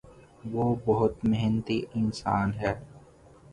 وہ بہت محنتی انسان ہے۔